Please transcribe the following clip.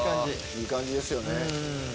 いい感じですよね。